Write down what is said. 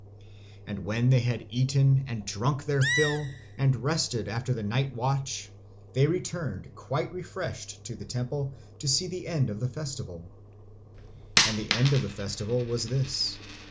And when they had eaten and drunk their fill and rested after the night watch, they returned quite refreshed to the temple to see the end of the festival. And the end of the festival was this.